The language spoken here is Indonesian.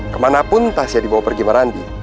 kemanapun tasya dibawa pergi sama randy